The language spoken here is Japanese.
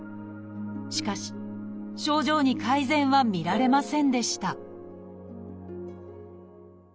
しかし症状に改善は見られませんでした